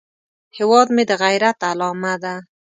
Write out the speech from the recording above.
هیواد مې د غیرت علامه ده